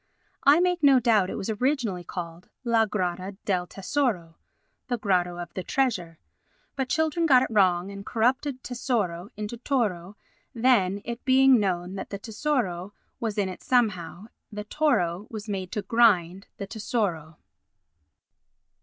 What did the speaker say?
I make no doubt it was originally called "La grotta del tesoro" [The grotto of the treasure], but children got it wrong, and corrupted "tesoro" into "toro"; then, it being known that the "tesoro" was in it somehow, the "toro" was made to grind the "tesoro."